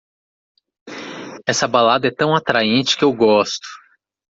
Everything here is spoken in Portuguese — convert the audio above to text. Essa balada é tão atraente que eu gosto!